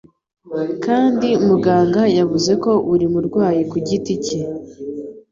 kandi umuganga yavuze ko buri murwayi ku giti cye